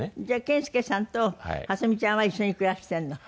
じゃあ健介さんとはすみちゃんは一緒に暮らしてるの？